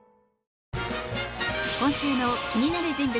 今週の気になる人物